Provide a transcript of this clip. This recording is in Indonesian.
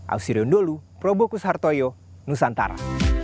ausirion dholu probokus hartoyo nusantara